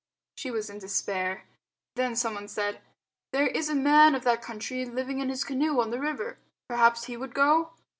She was in despair. Then someone said, "There is a man of that country living in his canoe on the river. Perhaps he would go?"